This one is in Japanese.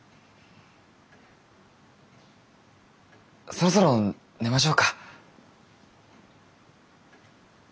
そろそろ寝ましょうか。